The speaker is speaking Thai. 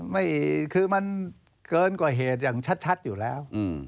ไม่คือมันเกินกว่าเหตุอย่างชัดอยู่แล้ว